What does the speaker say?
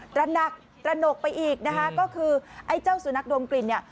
ระหนักตระหนกไปอีกนะคะก็คือไอ้เจ้าสุนัขดมกลิ่นเนี่ย